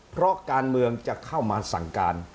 เพราะการเมืองจะเข้ามาสั่งการ